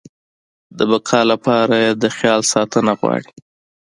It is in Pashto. د بقا لپاره يې د خیال ساتنه غواړي.